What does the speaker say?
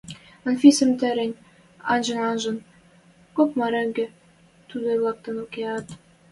Анфисӹм тӹрӹнь анжен-анжен, кок марыге тӱгӹ лӓктӹн кеӓт.